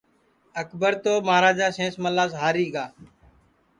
اکبر تو مہاراجا سینس ملاس ہاری گا